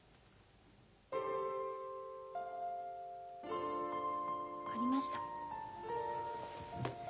分かりました。